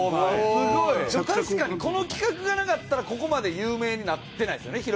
確かにこの企画がなかったらここまで有名になってないですよね。